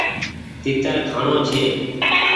تيتر کآڻو ڇي ۔